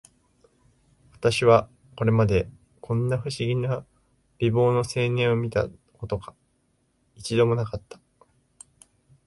私はこれまで、こんな不思議な美貌の青年を見た事が、一度も無かった